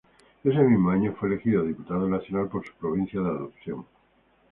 Ese mismo año fue elegido diputado nacional por su provincia de adopción.